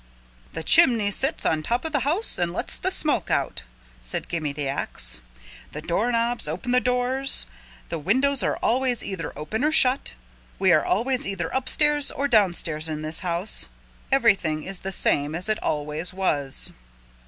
"The chimney sits on top of the house and lets the smoke out," said Gimme the Ax. "The doorknobs open the doors. The windows are always either open or shut. We are always either upstairs or downstairs in this house. Everything is the same as it always was."